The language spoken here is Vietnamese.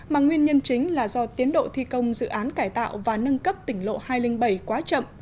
mà nguyên nhân chính là do tiến độ thi công dự án cải tạo và nâng cấp tỉnh lộ hai trăm linh bảy quá chậm